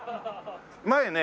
前ね